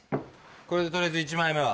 これで取りあえず１枚目は。